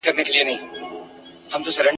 ویل ښکلي کوچېدلي ویل وچ دي ګودرونه ..